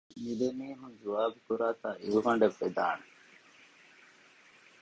މިހެން މި ދެމީހުން ޒުވާބުކުރާތާ އިރުގަނޑެއް ވެދާނެ